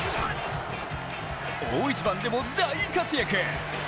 大一番でも大活躍。